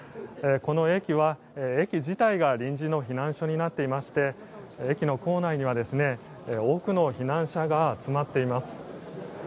この駅は駅自体が臨時の避難所になっていまして駅の構内には多くの避難者が集まっています。